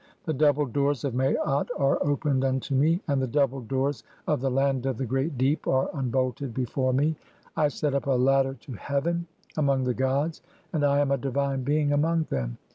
The double doors of Maat are opened unto me, "and the double doors of the land of the great deep (11) are "unbolted before me. I set up a ladder to heaven among the "gods, and I am a divine being among them.